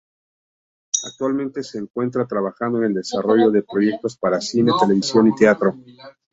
Actualmente se encuentra trabajando en el desarrollo de proyectos para cine, televisión y teatro.